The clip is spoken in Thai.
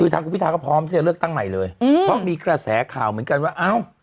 ทางคุณพิทาก็พร้อมที่จะเลือกตั้งใหม่เลยเพราะมีกระแสข่าวเหมือนกันว่าเอ้า